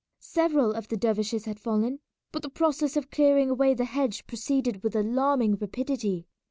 Several of the dervishes had fallen, but the process of clearing away the hedge proceeded with alarming rapidity.